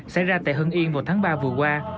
xảy ra tại hưng yên vào tháng ba vừa qua